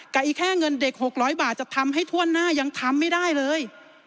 อีกแค่เงินเด็ก๖๐๐บาทจะทำให้ทั่วหน้ายังทำไม่ได้เลย